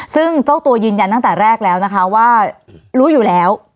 ซึ่งเจ้าตัวยืนยันตั้งแต่แรกแล้วนะคะว่ารู้อยู่แล้ว